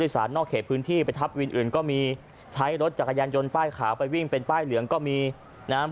ซึ่งเป็นป้ายเหลืองก็มีนะฮะ